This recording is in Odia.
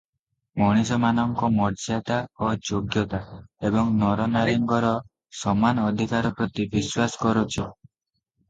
ମଣିଷମାନଙ୍କ ମର୍ଯ୍ୟାଦା ଓ ଯୋଗ୍ୟତା, ଏବଂ ନରନାରୀଙ୍କର ସମାନ ଅଧିକାର ପ୍ରତି ବିଶ୍ୱାସ କରୁଛି ।